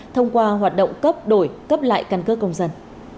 thông qua hoạt động cấp đổi cấp lại căn cước công dân